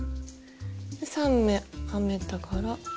で３目編めたから。